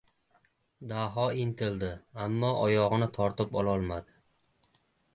Daho intildi, ammo oyog‘ini tortib ololmadi.